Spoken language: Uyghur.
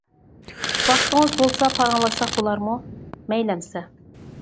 ۋاقتىڭىز بولسا پاراڭلاشساق بولارمۇ؟ -مەيلى ئەمسە.